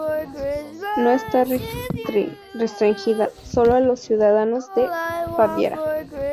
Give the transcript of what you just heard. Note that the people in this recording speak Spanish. No está restringida solo a los ciudadanos de Baviera.